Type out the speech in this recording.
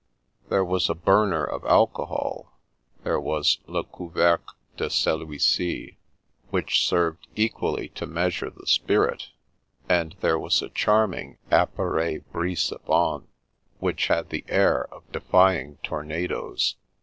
There was the burner of alcohol; there was " le couvercle de celui ci," which served equally to measure the spirit, and there was a charm ing appareil brise vent which had the air of defying tornadoes.